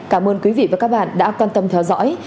cảm ơn quý vị và các bạn đã quan tâm theo dõi